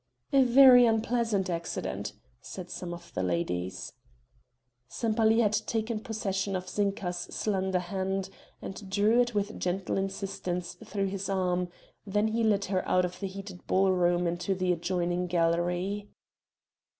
"A very unpleasant accident," said some of the ladies. Sempaly had taken possession of Zinka's slender hand and drew it with gentle insistence through his arm; then he led her out of the heated ball room into the adjoining gallery.